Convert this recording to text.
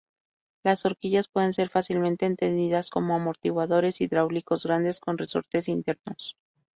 Las horquillas pueden ser fácilmente entendidas como amortiguadores hidráulicos grandes con resortes internos.